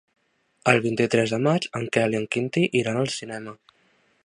El vint-i-tres de maig en Quel i en Quintí iran al cinema.